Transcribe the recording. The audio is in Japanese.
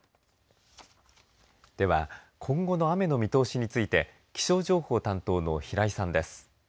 では、今後の雨の見通しについて気象情報担当の平井さんです。